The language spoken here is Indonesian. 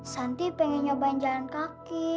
santi pengen nyobain jalan kaki